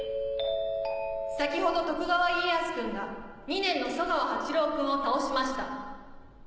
先ほど徳川家康君が２年の十川八郎君を倒しました。